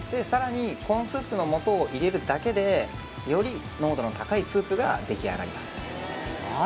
さらにコーンスープの素を入れるだけでより濃度の高いスープが出来上がります